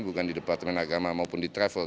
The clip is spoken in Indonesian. bukan di departemen agama maupun di travel